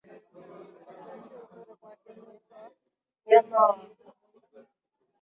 Mtu si uzuri kwake, kuitwa nyama wa mwitu